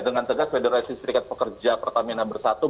dengan tegak fed pertamina bersatu